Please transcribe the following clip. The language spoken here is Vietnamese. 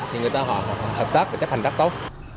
thì người ta họ hợp tác và chấp hành rất tốt